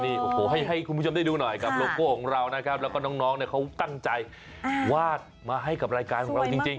มาให้กับโลโก้ของเรานะครับแล้วก็น้องเขาตั้งใจวาดมาให้กับรายการของเราจริง